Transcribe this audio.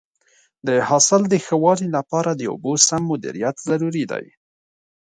د حاصل د ښه والي لپاره د اوبو سم مدیریت ضروري دی.